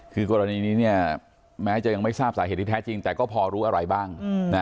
คือกรณีนี้แม้จะยังไม่ทราบสาเหตุที่แท้จริงแต่ก็พอรู้อะไรบ้าง